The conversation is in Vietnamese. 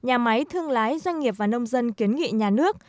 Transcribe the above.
các doanh nghiệp thương lái doanh nghiệp và nông dân kiến nghị nhà nước